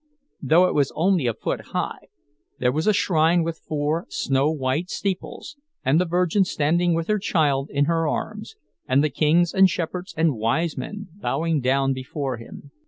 Though it was only a foot high, there was a shrine with four snow white steeples, and the Virgin standing with her child in her arms, and the kings and shepherds and wise men bowing down before him.